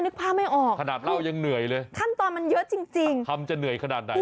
นึกภาพไม่ออกขนาดเล่ายังเหนื่อยเลยขั้นตอนมันเยอะจริงจริงคำจะเหนื่อยขนาดไหน